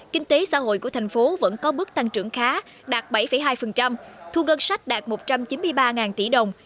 kinh tế xã hội của thành phố vẫn có bước tăng trưởng khá đạt bảy hai thu ngân sách đạt một trăm chín mươi ba tỷ đồng